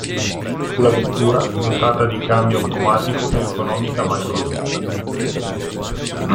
Fu la vettura dotata di cambio automatico più economica mai prodotta.